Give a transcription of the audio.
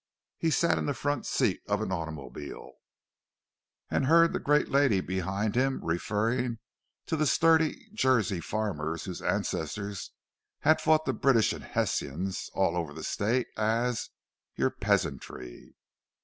He sat in the front seat of an automobile, and heard the great lady behind him referring to the sturdy Jersey farmers, whose ancestors had fought the British and Hessians all over the state, as "your peasantry."